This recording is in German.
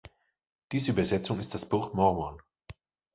Diese Übersetzung ist das Buch Mormon.